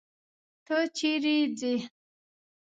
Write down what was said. ته چيري ځې.